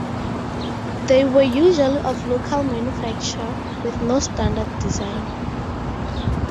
They were usually of local manufacture with no standard design.